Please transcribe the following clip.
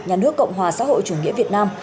nhà nước cộng hòa xã hội chủ nghĩa việt nam